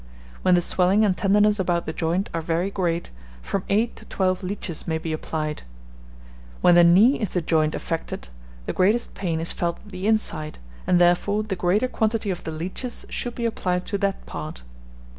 When the swelling and tenderness about the joint are very great, from eight to twelve leeches may be applied. When the knee is the joint affected, the greatest pain is felt at the inside, and therefore the greater quantity of the leeches should be applied to that part.